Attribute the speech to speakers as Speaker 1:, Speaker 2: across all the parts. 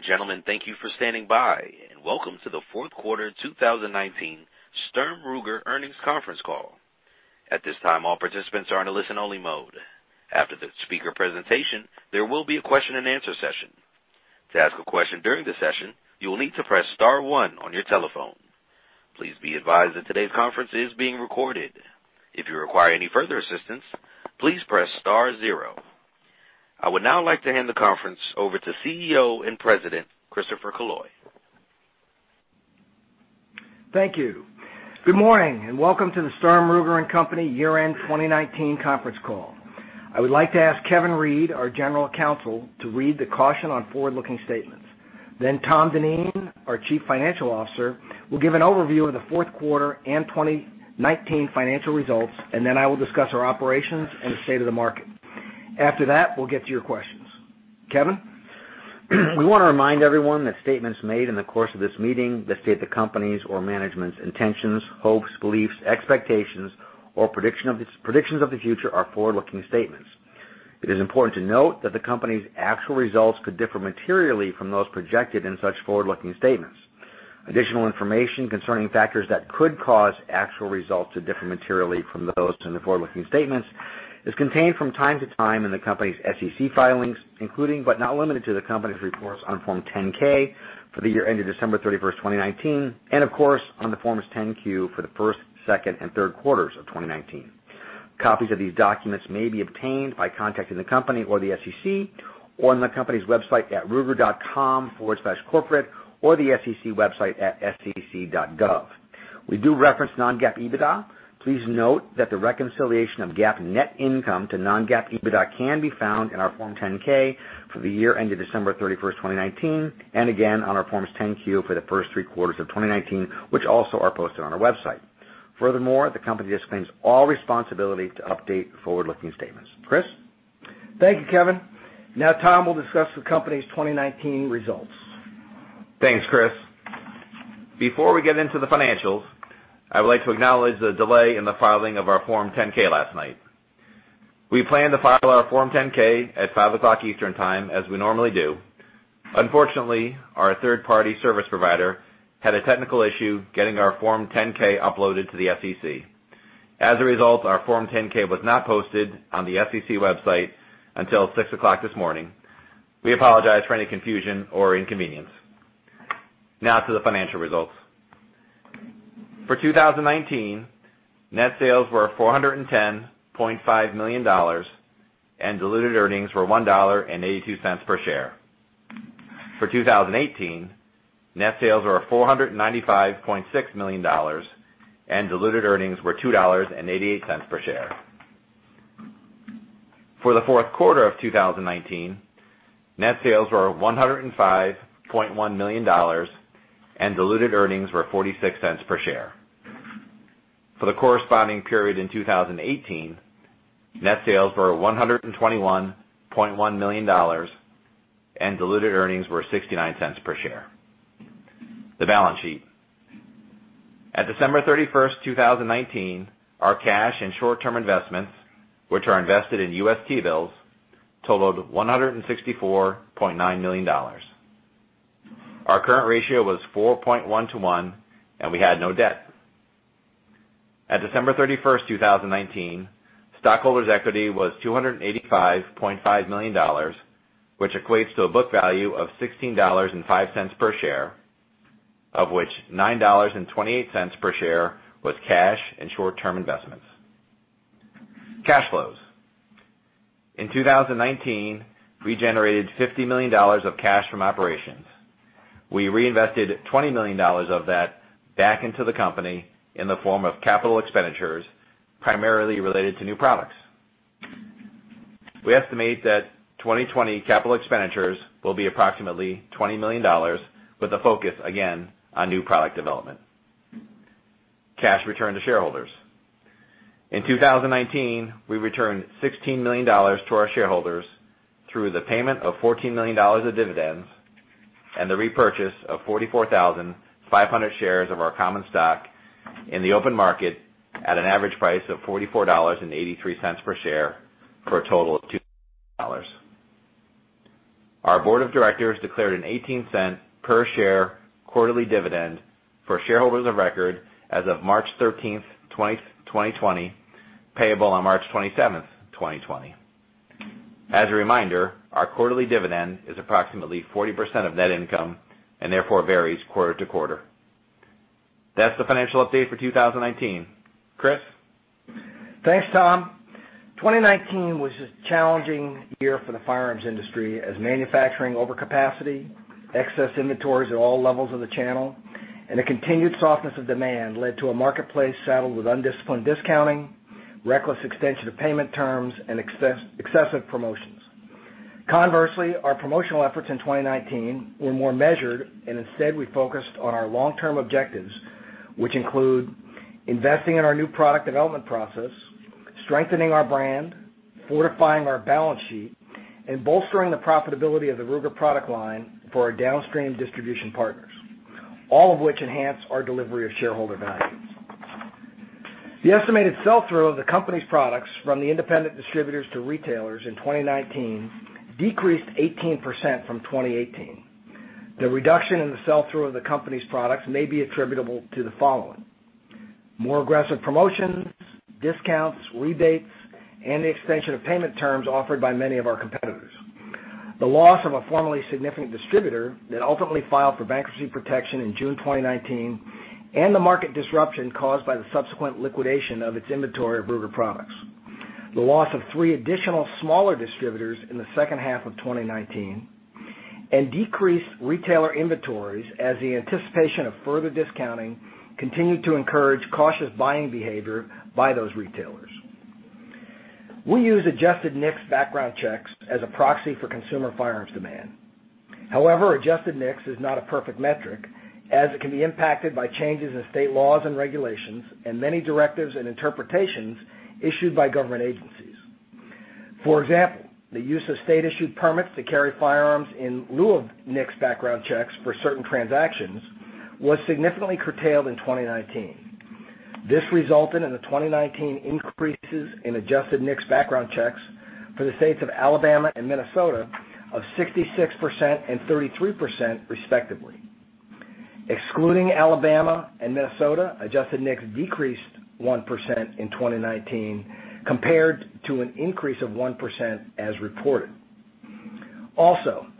Speaker 1: Ladies and gentlemen, thank you for standing by. Welcome to the fourth quarter 2019 Sturm Ruger earnings conference call. At this time, all participants are in a listen-only mode. After the speaker presentation, there will be a question and answer session. To ask a question during the session, you will need to press star one on your telephone. Please be advised that today's conference is being recorded. If you require any further assistance, please press star zero. I would now like to hand the conference over to CEO and President, Christopher Killoy.
Speaker 2: Thank you. Welcome to the Sturm, Ruger & Company year-end 2019 conference call. I would like to ask Kevin Reid, our General Counsel, to read the caution on forward-looking statements. Tom Dineen, our Chief Financial Officer, will give an overview of the fourth quarter and 2019 financial results. I will discuss our operations and the state of the market. After that, we'll get to your questions. Kevin?
Speaker 3: We want to remind everyone that statements made in the course of this meeting that state the company's or management's intentions, hopes, beliefs, expectations, or predictions of the future are forward-looking statements. It is important to note that the company's actual results could differ materially from those projected in such forward-looking statements. Additional information concerning factors that could cause actual results to differ materially from those in the forward-looking statements is contained from time to time in the company's SEC filings, including, but not limited to, the company's reports on Form 10-K for the year ended December 31st, 2019, and of course, on the Form 10-Q for the first, second, and third quarters of 2019. Copies of these documents may be obtained by contacting the company or the SEC or on the company's website at ruger.com/corporate or the SEC website at sec.gov. We do reference non-GAAP EBITDA. Please note that the reconciliation of GAAP net income to non-GAAP EBITDA can be found in our Form 10-K for the year ended December 31st, 2019, and again on our Form 10-Q for the first three quarters of 2019, which also are posted on our website. Furthermore, the company disclaims all responsibility to update forward-looking statements. Chris?
Speaker 2: Thank you, Kevin. Now Tom will discuss the company's 2019 results.
Speaker 4: Thanks, Chris. Before we get into the financials, I would like to acknowledge the delay in the filing of our Form 10-K last night. We planned to file our Form 10-K at 5:00 P.M. Eastern Time, as we normally do. Unfortunately, our third-party service provider had a technical issue getting our Form 10-K uploaded to the SEC. Our Form 10-K was not posted on the SEC website until 6:00 A.M. this morning. We apologize for any confusion or inconvenience. To the financial results. For 2019, net sales were $410.5 million and diluted earnings were $1.82 per share. For 2018, net sales were $495.6 million and diluted earnings were $2.88 per share. For the fourth quarter of 2019, net sales were $105.1 million and diluted earnings were $0.46 per share. For the corresponding period in 2018, net sales were $121.1 million and diluted earnings were $0.69 per share. The balance sheet. At December 31st, 2019, our cash and short-term investments, which are invested in U.S. T-bills, totaled $164.9 million. Our current ratio was 4.1-1, and we had no debt. At December 31st, 2019, stockholders' equity was $285.5 million, which equates to a book value of $16.05 per share, of which $9.28 per share was cash and short-term investments. Cash flows. In 2019, we generated $50 million of cash from operations. We reinvested $20 million of that back into the company in the form of capital expenditures, primarily related to new products. We estimate that 2020 capital expenditures will be approximately $20 million with the focus, again, on new product development. Cash returned to shareholders. In 2019, we returned $16 million to our shareholders through the payment of $14 million of dividends and the repurchase of 44,500 shares of our common stock in the open market at an average price of $44.83 per share for a total of $2 million. Our board of directors declared an $0.18 per share quarterly dividend for shareholders of record as of March 13th, 2020, payable on March 27th, 2020. As a reminder, our quarterly dividend is approximately 40% of net income and therefore varies quarter to quarter. That's the financial update for 2019. Chris?
Speaker 2: Thanks, Tom. 2019 was a challenging year for the firearms industry as manufacturing overcapacity, excess inventories at all levels of the channel, and the continued softness of demand led to a marketplace saddled with undisciplined discounting, reckless extension of payment terms, and excessive promotions. Conversely, our promotional efforts in 2019 were more measured, and instead we focused on our long-term objectives, which include investing in our new product development process, strengthening our brand, fortifying our balance sheet, and bolstering the profitability of the Ruger product line for our downstream distribution partners, all of which enhance our delivery of shareholder value. The estimated sell-through of the company's products from the independent distributors to retailers in 2019 decreased 18% from 2018. The reduction in the sell-through of the company's products may be attributable to the following, more aggressive promotions, discounts, rebates, and the extension of payment terms offered by many of our competitors, the loss of a formerly significant distributor that ultimately filed for bankruptcy protection in June 2019, and the market disruption caused by the subsequent liquidation of its inventory of Ruger products, the loss of three additional smaller distributors in the second half of 2019, and decreased retailer inventories as the anticipation of further discounting continued to encourage cautious buying behavior by those retailers. We use adjusted NICS background checks as a proxy for consumer firearms demand. Adjusted NICS is not a perfect metric, as it can be impacted by changes in state laws and regulations and many directives and interpretations issued by government agencies. For example, the use of state-issued permits to carry firearms in lieu of NICS background checks for certain transactions was significantly curtailed in 2019. This resulted in the 2019 increases in adjusted NICS background checks for the states of Alabama and Minnesota of 66% and 33%, respectively. Excluding Alabama and Minnesota, adjusted NICS decreased 1% in 2019 compared to an increase of 1% as reported.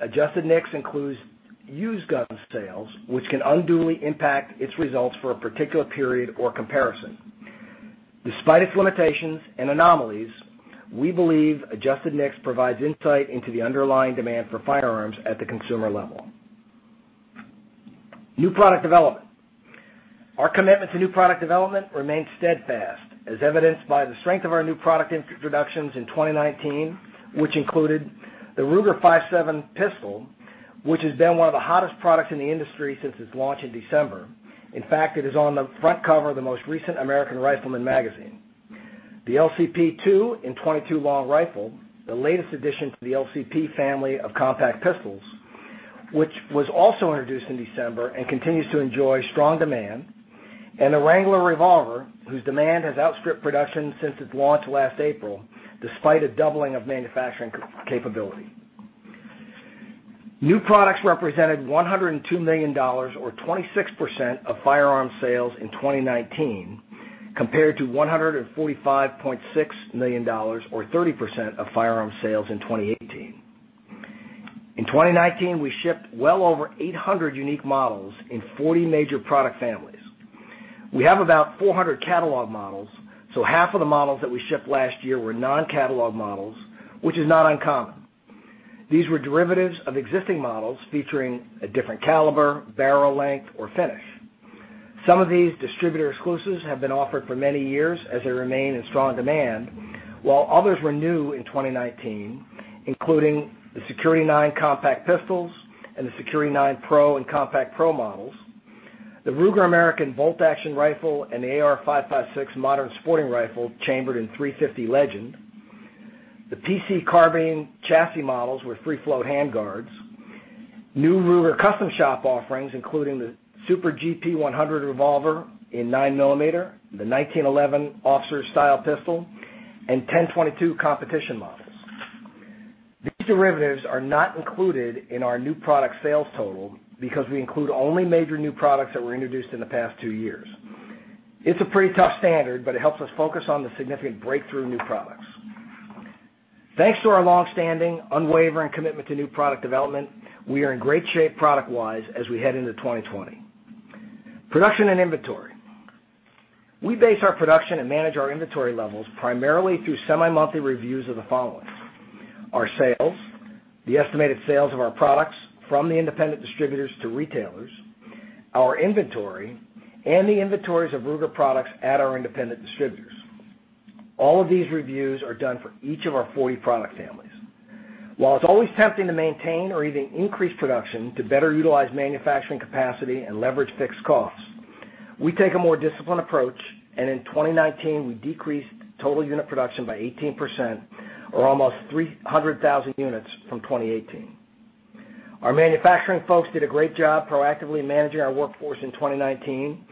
Speaker 2: Adjusted NICS includes used gun sales, which can unduly impact its results for a particular period or comparison. Despite its limitations and anomalies, we believe adjusted NICS provides insight into the underlying demand for firearms at the consumer level. New product development. Our commitment to new product development remains steadfast, as evidenced by the strength of our new product introductions in 2019, which included the Ruger 5.7 pistol, which has been one of the hottest products in the industry since its launch in December. In fact, it is on the front cover of the most recent American Rifleman magazine. The LCP II in .22 Long Rifle, the latest addition to the LCP family of compact pistols, which was also introduced in December and continues to enjoy strong demand, and the Wrangler Revolver, whose demand has outstripped production since its launch last April, despite a doubling of manufacturing capability. New products represenTed $102 million or 26% of firearm sales in 2019, compared to $145.6 million or 30% of firearm sales in 2018. In 2019, we shipped well over 800 unique models in 40 major product families. We have about 400 catalog models, so half of the models that we shipped last year were non-catalog models, which is not uncommon. These were derivatives of existing models featuring a different caliber, barrel length, or finish. Some of these distributor exclusives have been offered for many years as they remain in strong demand, while others were new in 2019, including the Security-9 compact pistols and the Security-9 Pro and Compact Pro models, the Ruger American Rifle bolt action rifle and the AR-556 modern sporting rifle chambered in 350 Legend, the PC Carbine Chassis models with free float handguards, new Ruger Custom Shop offerings including the Super GP100 Revolver in 9 mm, the 1911 Officer's style pistol, and 10/22 competition models. These derivatives are not included in our new product sales total because we include only major new products that were introduced in the past two years. It's a pretty tough standard, but it helps us focus on the significant breakthrough new products. Thanks to our long-standing, unwavering commitment to new product development, we are in great shape product-wise as we head into 2020. Production and inventory. We base our production and manage our inventory levels primarily through semi-monthly reviews of the following: Our sales, the estimated sales of our products from the independent distributors to retailers, our inventory, and the inventories of Ruger products at our independent distributors. All of these reviews are done for each of our 40 product families. While it's always tempting to maintain or even increase production to better utilize manufacturing capacity and leverage fixed costs, we take a more disciplined approach, and in 2019, we decreased total unit production by 18%, or almost 300,000 units from 2018. Our manufacturing folks did a great job proactively managing our workforce in 2019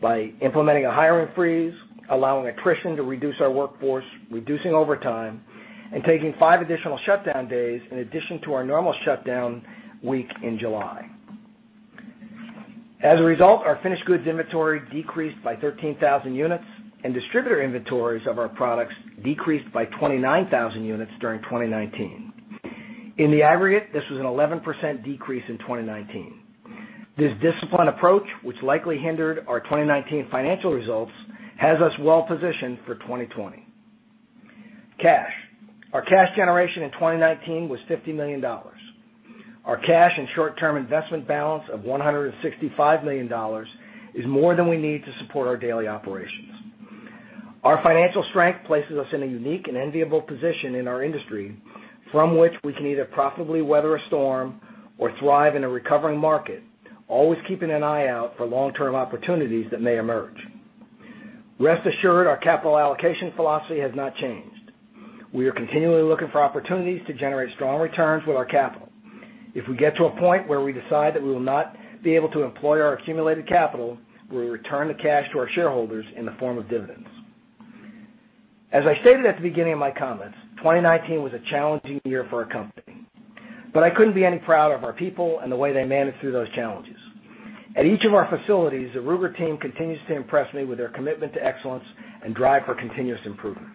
Speaker 2: by implementing a hiring freeze, allowing attrition to reduce our workforce, reducing overtime, and taking five additional shutdown days in addition to our normal shutdown week in July. As a result, our finished goods inventory decreased by 13,000 units, and distributor inventories of our products decreased by 29,000 units during 2019. In the aggregate, this was an 11% decrease in 2019. This disciplined approach, which likely hindered our 2019 financial results, has us well-positioned for 2020. Cash. Our cash generation in 2019 was $50 million. Our cash and short-term investment balance of $165 million is more than we need to support our daily operations. Our financial strength places us in a unique and enviable position in our industry from which we can either profitably weather a storm or thrive in a recovering market, always keeping an eye out for long-term opportunities that may emerge. Rest assured, our capital allocation philosophy has not changed. We are continually looking for opportunities to generate strong returns with our capital. If we get to a point where we decide that we will not be able to employ our accumulated capital, we will return the cash to our shareholders in the form of dividends. As I stated at the beginning of my comments, 2019 was a challenging year for our company. I couldn't be any prouder of our people and the way they managed through those challenges. At each of our facilities, the Ruger team continues to impress me with their commitment to excellence and drive for continuous improvement.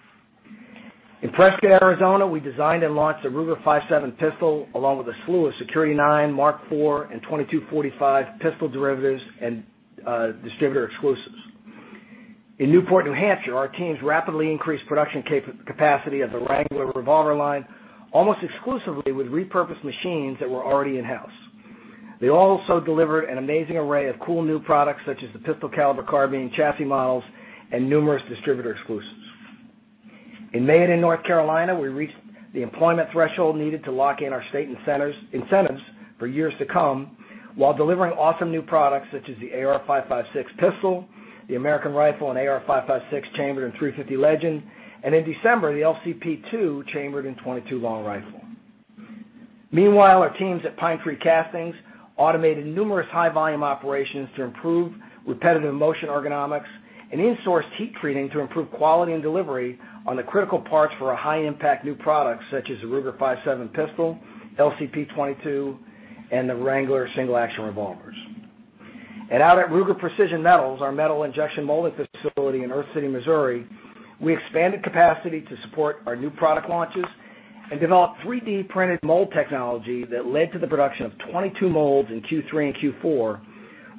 Speaker 2: In Prescott, Arizona, we designed and launched the Ruger 5.7 pistol, along with a slew of Security-9, Mark IV, and 22/45 pistol derivatives and distributor exclusives. In Newport, New Hampshire, our teams rapidly increased production capacity of the Wrangler Revolver line, almost exclusively with repurposed machines that were already in-house. They also delivered an amazing array of cool new products, such as the Pistol Caliber Carbine Chassis models and numerous distributor exclusives. In Maiden, North Carolina, we reached the employment threshold needed to lock in our state incentives for years to come, while delivering awesome new products such as the AR-556 pistol, the American Rifle and AR-556 chambered in .350 Legend, and in December, the LCP II chambered in .22 Long Rifle. Meanwhile, our teams at Pine Tree Castings automated numerous high-volume operations to improve repetitive motion ergonomics and in-sourced heat treating to improve quality and delivery on the critical parts for our high-impact new products, such as the Ruger 5.7 pistol, LCP II, and the Wrangler single-action revolvers. Out at Ruger Precision Metals, our metal injection molding facility in Earth City, Missouri, we expanded capacity to support our new product launches and developed 3D-printed mold technology that led to the production of 22 molds in Q3 and Q4,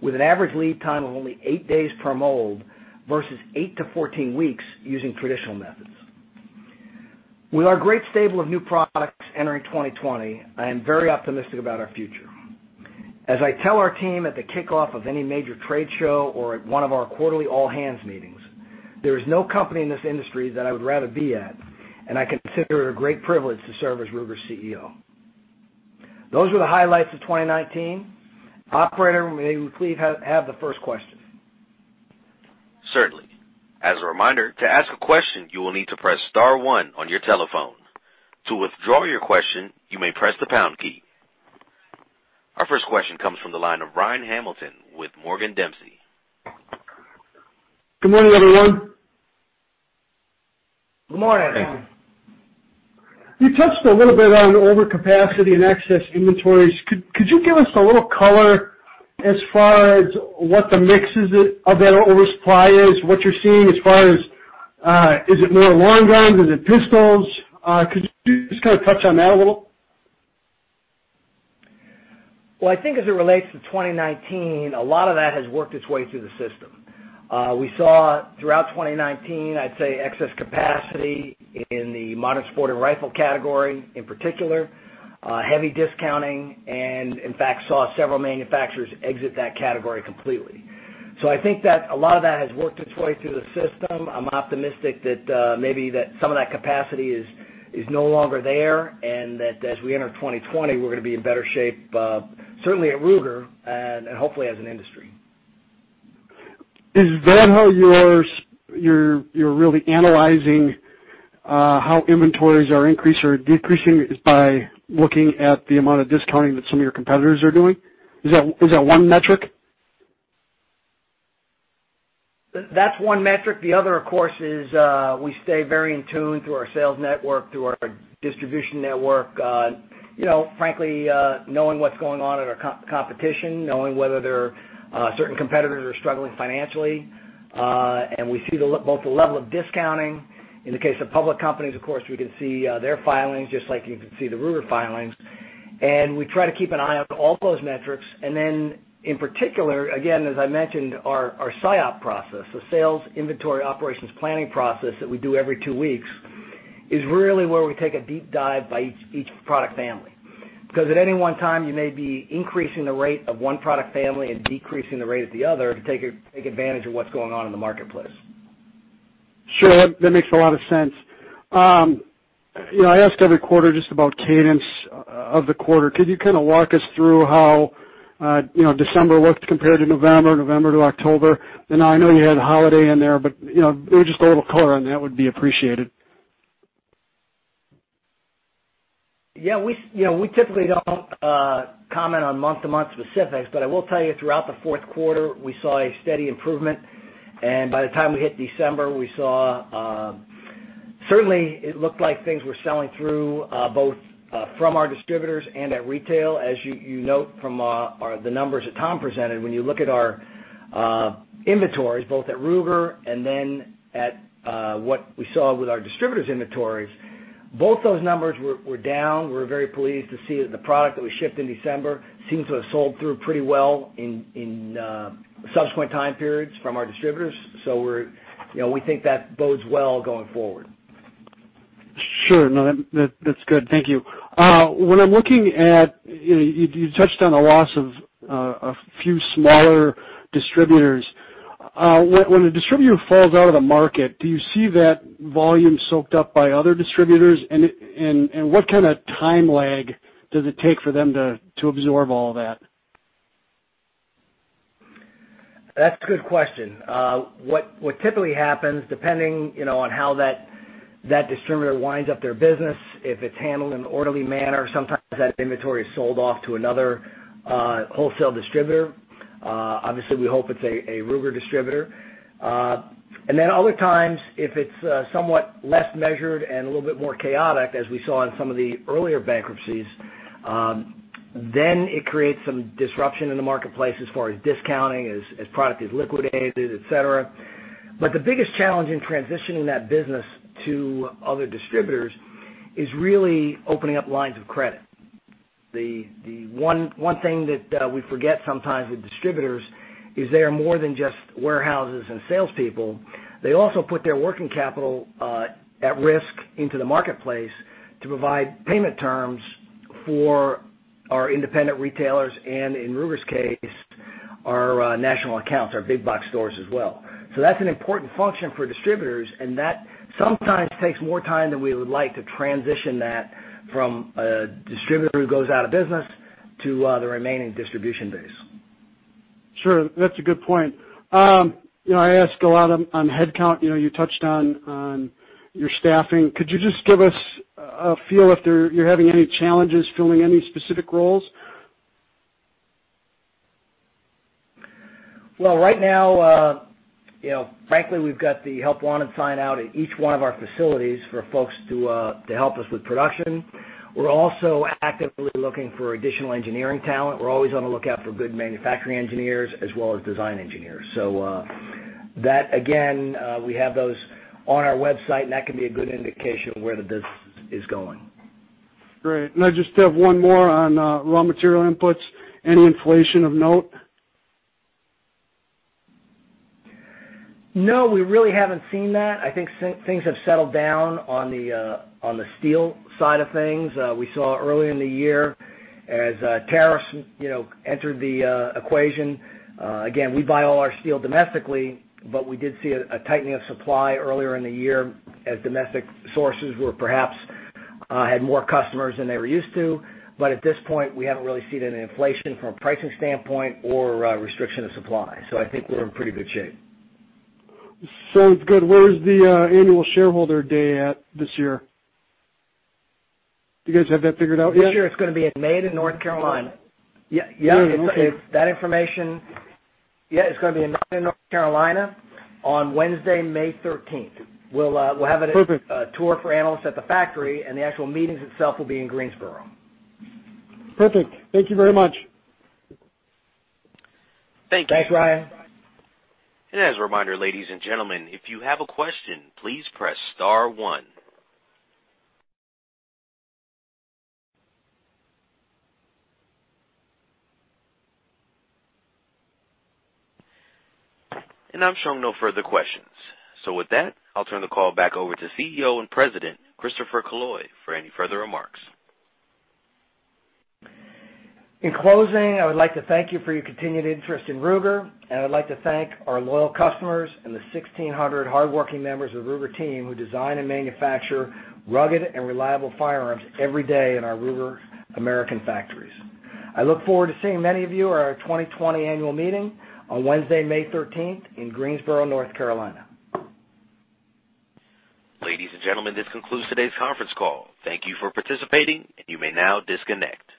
Speaker 2: with an average lead time of only eight days per mold versus 8-14 weeks using traditional methods. With our great stable of new products entering 2020, I am very optimistic about our future. As I tell our team at the kickoff of any major trade show or at one of our quarterly all-hands meetings, there is no company in this industry that I would rather be at, and I consider it a great privilege to serve as Ruger's CEO. Those were the highlights of 2019. Operator, may we please have the first question?
Speaker 1: Certainly. As a reminder, to ask a question, you will need to press star one on your telephone. To withdraw your question, you may press the pound key. Our first question comes from the line of Ryan Hamilton with Morgan Dempsey.
Speaker 5: Good morning, everyone.
Speaker 2: Good morning, Ryan.
Speaker 5: You touched a little bit on overcapacity and excess inventories. Could you give us a little color as far as what the mix of that oversupply is, what you're seeing as far as, is it more long guns? Is it pistols? Could you just kind of touch on that a little?
Speaker 2: I think as it relates to 2019, a lot of that has worked its way through the system. We saw, throughout 2019, I'd say excess capacity in the modern sporting rifle category, in particular, heavy discounting, and in fact, saw several manufacturers exit that category completely. I think that a lot of that has worked its way through the system. I'm optimistic that maybe some of that capacity is no longer there, and that as we enter 2020, we're going to be in better shape, certainly at Ruger, and hopefully as an industry.
Speaker 5: Is that how you're really analyzing how inventories are increasing or decreasing, is by looking at the amount of discounting that some of your competitors are doing? Is that one metric?
Speaker 2: That's one metric. The other, of course, is we stay very in tune through our sales network, through our distribution network. Frankly, knowing what's going on at our competition, knowing whether certain competitors are struggling financially. We see both the level of discounting. In the case of public companies, of course, we can see their filings just like you can see the Ruger filings. We try to keep an eye on all those metrics. In particular, again, as I mentioned, our SIOP process, the sales, inventory, operations, planning process that we do every two weeks, is really where we take a deep dive by each product family. Because at any one time, you may be increasing the rate of one product family and decreasing the rate of the other to take advantage of what's going on in the marketplace.
Speaker 5: Sure. That makes a lot of sense. I ask every quarter just about cadence of the quarter. Could you kind of walk us through how December looked compared to November to October? I know you had the holiday in there, but just a little color on that would be appreciated.
Speaker 2: Yeah. We typically don't comment on month-to-month specifics, but I will tell you throughout the fourth quarter, we saw a steady improvement, and by the time we hit December, certainly, it looked like things were selling through, both from our distributors and at retail. As you note from the numbers that Tom presented, when you look at our inventories, both at Ruger and then at what we saw with our distributors' inventories, both those numbers were down. We were very pleased to see that the product that we shipped in December seems to have sold through pretty well in subsequent time periods from our distributors. We think that bodes well going forward.
Speaker 5: Sure. No, that's good. Thank you. You touched on the loss of a few smaller distributors. When a distributor falls out of the market, do you see that volume soaked up by other distributors? What kind of time lag does it take for them to absorb all that?
Speaker 2: That's a good question. What typically happens, depending on how that distributor winds up their business, if it's handled in an orderly manner, sometimes that inventory is sold off to another wholesale distributor. Obviously, we hope it's a Ruger distributor. Other times, if it's somewhat less measured and a little bit more chaotic, as we saw in some of the earlier bankruptcies, then it creates some disruption in the marketplace as far as discounting, as product is liquidated, et cetera. The biggest challenge in transitioning that business to other distributors is really opening up lines of credit. The one thing that we forget sometimes with distributors is they are more than just warehouses and salespeople. They also put their working capital at risk into the marketplace to provide payment terms for our independent retailers and, in Ruger's case, our national accounts, our big box stores as well. That's an important function for distributors, and that sometimes takes more time than we would like to transition that from a distributor who goes out of business to the remaining distribution base.
Speaker 5: Sure. That's a good point. I ask a lot on headcount. You touched on your staffing. Could you just give us a feel if you're having any challenges filling any specific roles?
Speaker 2: Well, right now, frankly, we've got the Help Wanted sign out at each one of our facilities for folks to help us with production. We're also actively looking for additional engineering talent. We're always on the lookout for good manufacturing engineers as well as design engineers. That, again, we have those on our website, and that can be a good indication of where the business is going.
Speaker 5: Great. I just have one more on raw material inputs. Any inflation of note?
Speaker 2: No, we really haven't seen that. I think things have settled down on the steel side of things. We saw earlier in the year as tariffs entered the equation. Again, we buy all our steel domestically, but we did see a tightening of supply earlier in the year as domestic sources perhaps had more customers than they were used to. At this point, we haven't really seen any inflation from a pricing standpoint or restriction of supply. I think we're in pretty good shape.
Speaker 5: Sounds good. Where is the annual shareholder day at this year? Do you guys have that figured out yet?
Speaker 2: This year, it's going to be in Maiden, North Carolina.
Speaker 5: Maiden, okay.
Speaker 2: Yeah, it's going to be in Maiden, North Carolina, on Wednesday, May 13th.
Speaker 5: Perfect
Speaker 2: tour for analysts at the factory, and the actual meeting itself will be in Greensboro.
Speaker 5: Perfect. Thank you very much.
Speaker 2: Thank you.
Speaker 4: Thanks, Ryan.
Speaker 1: As a reminder, ladies and gentlemen, if you have a question, please press star one. I'm showing no further questions. With that, I'll turn the call back over to CEO and President, Christopher Killoy, for any further remarks.
Speaker 2: In closing, I would like to thank you for your continued interest in Ruger. I would like to thank our loyal customers and the 1,600 hardworking members of Ruger team who design and manufacture rugged and reliable firearms every day in our Ruger American factories. I look forward to seeing many of you at our 2020 annual meeting on Wednesday, May 13th in Greensboro, North Carolina.
Speaker 1: Ladies and gentlemen, this concludes today's conference call. Thank you for participating, and you may now disconnect.